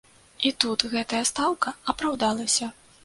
І тут гэтая стаўка апраўдалася.